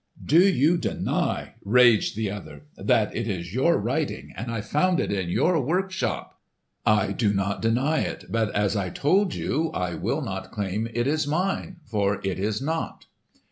"Do you deny," raged the other, "that it is your writing and I found it in your workshop?" "I do not deny it, but, as I told you, I will not claim it as mine; for it is not."